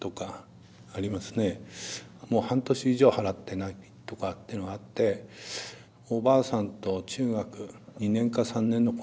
もう半年以上払ってないとかっていうのがあっておばあさんと中学２年か３年の子がいるうちだった。